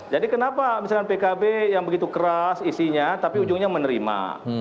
jadi kenapa misalkan pkb yang begitu keras isinya tapi ujungnya menerima